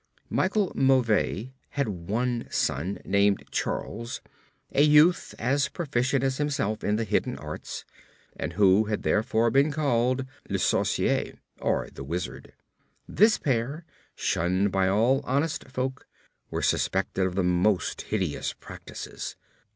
Michel Mauvais had one son, named Charles, a youth as proficient as himself in the hidden arts, and who had therefore been called Le Sorcier, or the Wizard. This pair, shunned by all honest folk, were suspected of the most hideous practices.